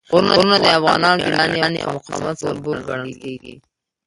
غرونه د افغانانو د مېړانې او مقاومت سمبول ګڼل کېږي.